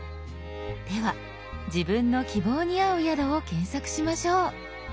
では自分の希望に合う宿を検索しましょう。